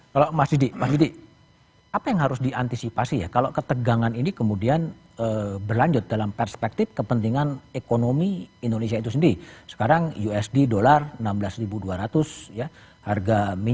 kalau mas didi mas didi apa yang harus diantisipasi ya kalau ketegangan ini kemudian berlanjut dalam perspektif kepentingan ekonomi indonesia itu sendiri